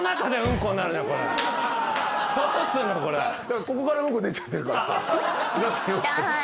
ここから出ちゃってるから。